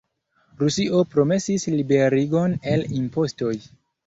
Rusio promesis liberigon el impostoj.